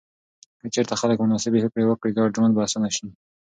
که چیرته خلک مناسبې هوکړې وتړي، ګډ ژوند به اسانه سي.